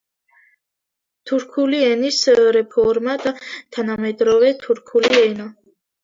თურქული ენის რეფორმა და თანამედროვე თურქული ენა.